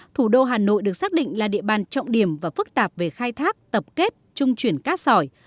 thủ đô hà nội được xác định là địa bàn trọng điểm và phức tạp về khai thác tập kết trung chuyển cát sỏi